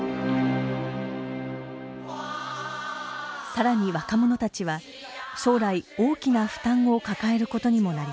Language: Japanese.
更に若者たちは将来大きな負担を抱えることにもなります。